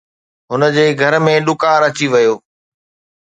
هن جي گهر ۾ ڏڪار اچي ويو